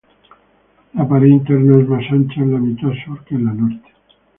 La pared interna es más ancha en la mitad sur que en la norte.